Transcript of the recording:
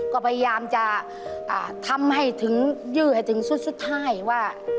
ก็พยายามจะทำให้ถึงยื้อให้ถึงสุดท้ายว่า